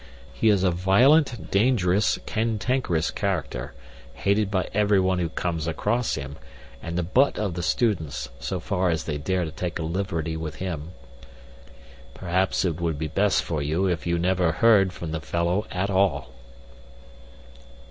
He is a violent, dangerous, cantankerous character, hated by everyone who comes across him, and the butt of the students, so far as they dare take a liberty with him. Perhaps it would be best for you if you never heard from the fellow at all."